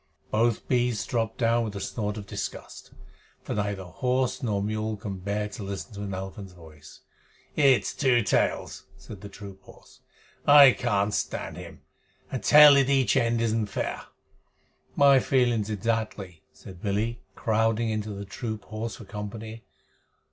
Both beasts dropped down with a snort of disgust, for neither horse nor mule can bear to listen to an elephant's voice. "It's Two Tails!" said the troop horse. "I can't stand him. A tail at each end isn't fair!" "My feelings exactly," said Billy, crowding into the troop horse for company.